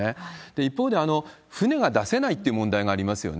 一方で、船が出せないって問題がありますよね。